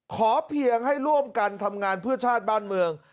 ขอเพียงให้ร่วมกันทำงานเพื่อชาติบ้านเมือง